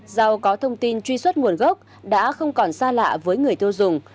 do có thông tin truy xuất nguồn gốc đã không còn xa lạ với người tiêu dùng